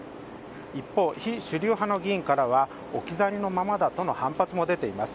一方、非主流派の議員からは置き去りのままだとの反発も出ています。